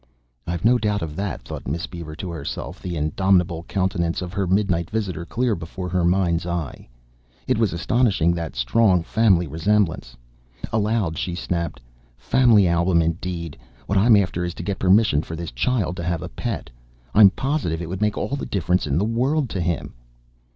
"I've no doubt of that," thought Miss Beaver to herself, the indomitable countenance of her midnight visitor clear before her mind's eye. It was astonishing, that strong family resemblance. Aloud she snapped: "Family album, indeed! What I'm after is to get permission for this child to have a pet. I'm positive it would make all the difference in the world to him."